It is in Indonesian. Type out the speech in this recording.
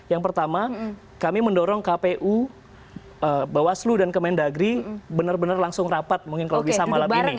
yang pertama kami mendorong kpu bawaslu dan kemendagri benar benar langsung rapat mungkin kalau bisa malam ini